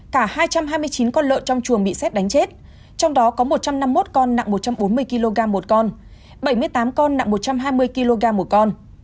cả hai trăm hai mươi chín con lợn trong chuồng bị xét đánh chết trong đó có một trăm năm mươi một con nặng một trăm bốn mươi kg một con bảy mươi tám con nặng một trăm hai mươi kg một con